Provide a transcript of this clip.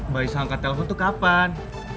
baik sangka telepon tuh kapan